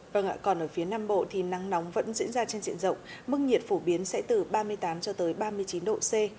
vâng ạ còn ở phía nam bộ thì nắng nóng vẫn diễn ra trên diện rộng mức nhiệt phổ biến sẽ từ ba mươi tám cho tới ba mươi chín độ c